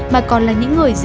mà còn là những người gì